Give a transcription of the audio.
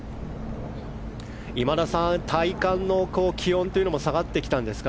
今田さん、体感の気温というのも下がってきたんですか？